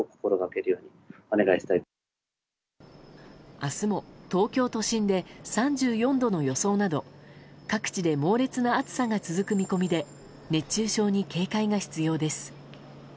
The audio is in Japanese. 明日も東京都心で３４度の予想など各地で猛烈な暑さが続く見込みで熱中症に警戒が必要です。